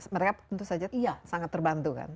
mereka tentu saja iya sangat terbantu kan